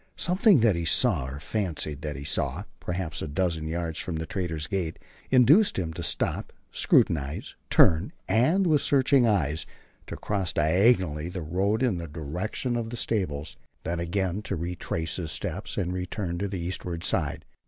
Something that he saw, or fancied that he saw, perhaps a dozen yards from the trader's gate, induced him to stop, scrutinize, turn, and, with searching eyes, to cross diagonally the road in the direction of the stables, then again to retrace his steps and return to the eastward side.